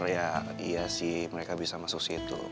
ya iya sih mereka bisa masuk situ